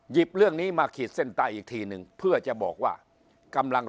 เรื่องนี้มาขีดเส้นใต้อีกทีหนึ่งเพื่อจะบอกว่ากำลัง